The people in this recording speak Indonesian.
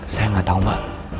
saya nggak tahu ma